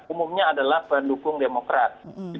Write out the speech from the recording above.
umumnya adalah pendukung demokrat